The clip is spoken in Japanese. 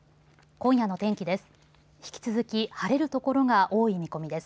今夜の天気です。